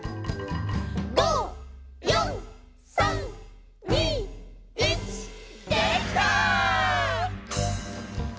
「５、４、３、２、１」「できた」